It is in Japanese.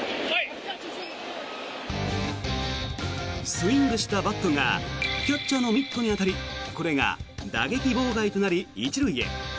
スイングしたバットがキャッチャーのミットに当たりこれが打撃妨害となり、１塁へ。